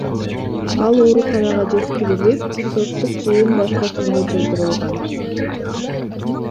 Ал ооруканага жеткирилип, соттук жыйын башка күнгө жылдырылган.